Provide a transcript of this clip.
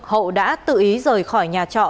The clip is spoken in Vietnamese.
hậu đã tự ý rời khỏi nhà trọ